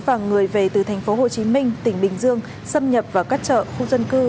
và người về từ thành phố hồ chí minh tỉnh bình dương xâm nhập vào các chợ khu dân cư